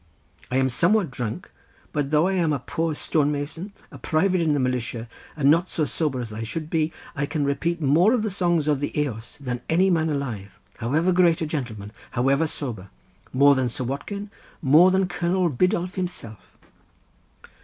I am somewhat drunk, but though I am a poor stone mason, a private in the militia, and not so sober as I should be, I can repeat more of the songs of the Eos than any man alive, however great a gentleman, however sober—more than Sir Watkin, more than Colonel Biddulph himself."